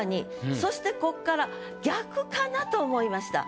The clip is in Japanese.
そしてこっから逆かなと思いました。